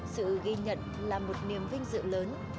sự ghi nhận là một niềm vinh dự lớn